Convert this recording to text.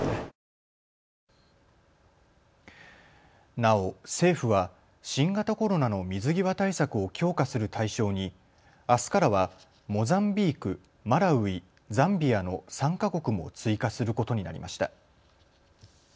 なお、政府は新型コロナの水際対策を強化する対象にあすからはモザンビーク、マラウイ、ザンビアの３か国も追加することになりました。